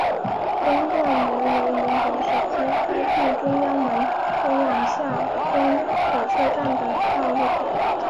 东段原为民国时期开辟中央门通往下关火车站的道路。